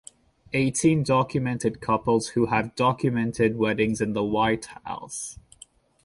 Eighteen documented couples who have had documented weddings in the White House.